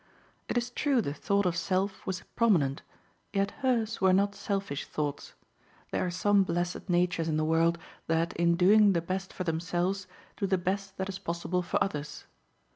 It is true the thought of self was prominent, yet hers were not selfish thoughts. There are some blessed natures in the world that in doing the best for themselves do the best that is possible for others.